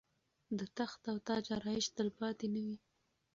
د تخت او تاج آرایش تلپاتې نه وي.